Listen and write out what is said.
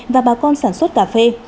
và bà con sản xuất cà phê